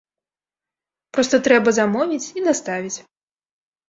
Проста трэба замовіць і даставіць.